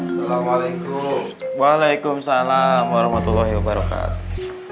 assalamualaikum waalaikumsalam warahmatullahi wabarakatuh